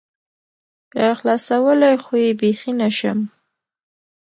راخلاصولى خو يې بيخي نشم